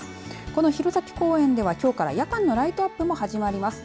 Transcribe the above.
この弘前公園では、きょうから夜間のライトアップも始まります。